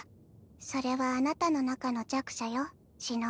それはあなたの中の弱者よ紫乃。